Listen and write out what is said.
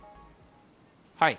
はい。